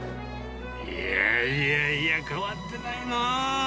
いやいやいや、変わってないなー。